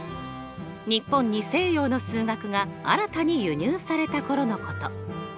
日本に西洋の数学が新たに輸入された頃のこと。